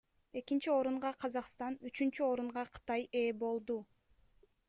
Экинчи орунга Казакстан, үчүнчү орунга Кытай ээ болду.